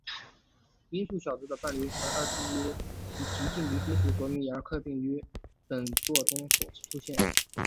音速小子的夥伴艾美及劲敌金属索尼克并于本作中首次出现。